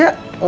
gak ada uang